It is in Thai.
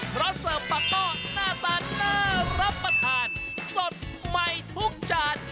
เพราะเสิร์ฟปากก้อหน้าตาน่ารับประทานสดใหม่ทุกจาน